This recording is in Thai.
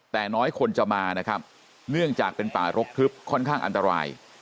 แต่น้อยคนจะมานะครับเนื่องจากเป็นป่ารกทึบค่อนข้างอันตราย